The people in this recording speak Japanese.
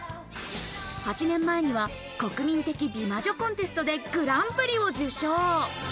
８年前には国民的美魔女コンテストでグランプリを受賞。